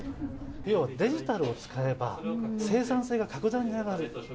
要は、デジタルを使えば、生産性が格段に上がる。